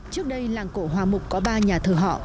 trước đây làng cổ hòa mục có ba nhà thờ họ